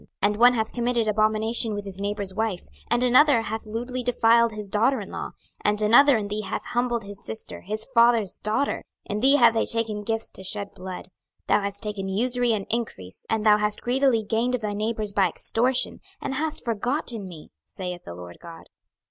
26:022:011 And one hath committed abomination with his neighbour's wife; and another hath lewdly defiled his daughter in law; and another in thee hath humbled his sister, his father's daughter. 26:022:012 In thee have they taken gifts to shed blood; thou hast taken usury and increase, and thou hast greedily gained of thy neighbours by extortion, and hast forgotten me, saith the Lord GOD.